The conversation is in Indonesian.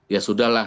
ya sudah lah